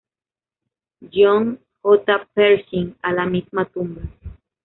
John J. Pershing a la misma tumba.